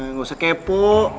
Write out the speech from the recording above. nggak usah kepo